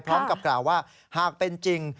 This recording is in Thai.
พร้อมกับกล่าวว่าหากเป็นจริง